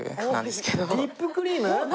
リップクリーム？